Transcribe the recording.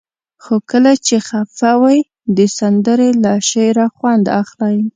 خو کله چې خفه وئ د سندرې له شعره خوند اخلئ.